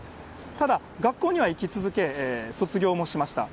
ただ、学校には行き続け、卒業もしました。